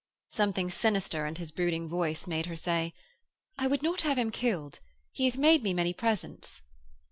Something sinister in his brooding voice made her say: 'I would not have him killed. He hath made me many presents.'